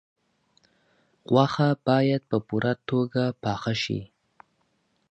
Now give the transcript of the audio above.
غوښه باید په پوره توګه پاخه شي.